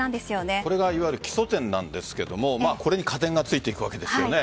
これがいわゆる基礎点なんですがこれに加点がついていくわけですよね。